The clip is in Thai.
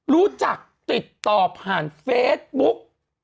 รู้จักติดต่อผ่านเฟซบุ๊ก